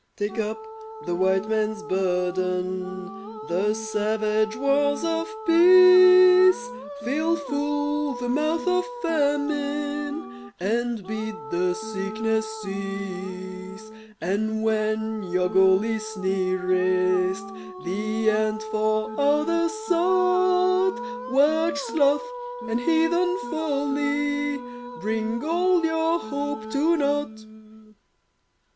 Take up the White Man's burden The savage wars of peace Fill full the mouth of Famine And bid the sickness cease; And when your goal is nearest The end for others sought, Watch Sloth and heathen Folly Bring all your hope to naught.